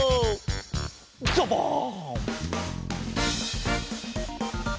ザバン！